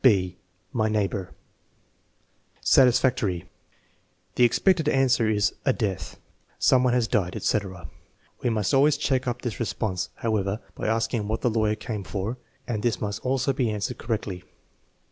(6) My neighbor Satisfactory. The expected answer is "A death," "Some one has died," etc. We must always check up this response, however, by asking what the lawyer came for, and this must also be answered correctly.